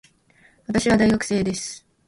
私は大学生です。